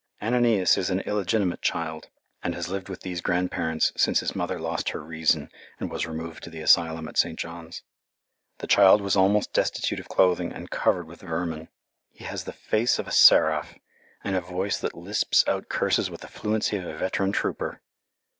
Ananias is an illegitimate child, and has lived with these grandparents since his mother lost her reason and was removed to the asylum at St. John's. The child was almost destitute of clothing, and covered with vermin. He has the face of a seraph, and a voice that lisps out curses with the fluency of a veteran trooper.